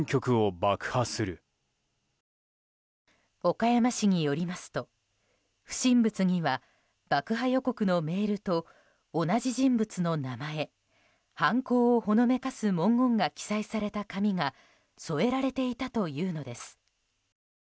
岡山市によりますと不審物には爆破予告のメールと同じ人物の名前犯行をほのめかす文言が記載された紙が添えられていたというのです。